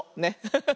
ハハハハ。